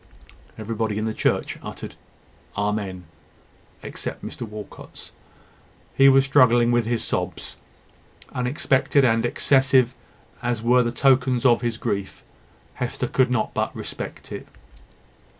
Every voice in the church uttered `Amen,' except Mr Walcot's. He was struggling with his sobs. Unexpected and excessive as were the tokens of his grief, Hester could not but respect it.